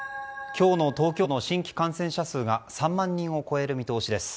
今日の東京都の新規感染者数が３万人を超える見通しです。